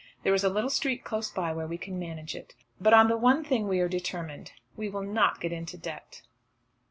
There is a little street close by where we can manage it. But on the one thing we are determined; we will not get into debt."